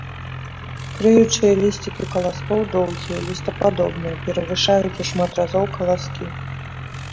Крыючыя лісцікі каласкоў доўгія, лістападобныя, перавышаюць у шмат разоў каласкі.